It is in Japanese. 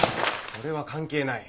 俺は関係ない。